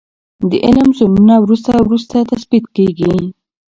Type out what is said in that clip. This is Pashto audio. د علم زونونه وروسته وروسته تثبیت کیږي.